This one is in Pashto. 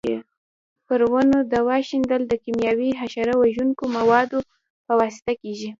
پر ونو دوا شیندل د کېمیاوي حشره وژونکو موادو په واسطه کېږي.